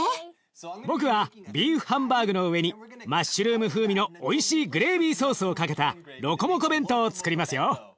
僕はビーフハンバーグの上にマッシュルーム風味のおいしいグレービーソースをかけたロコモコ弁当をつくりますよ。